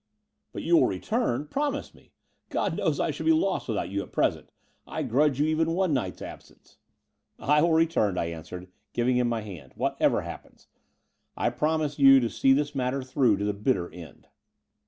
"But you will return? Promise me. God knows I should be lost without you at present. I grudge you even one night's absence." "I will return," I answered, giving him my hand, "whatever happens. I promise you to see this matter through to the bitter end."